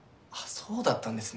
そうだったんですね。